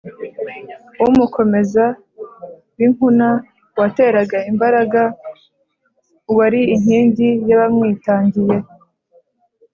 umukomeza w’inkuna: uwateraga imbaraga, uwari inkingi y’abamwitangiye,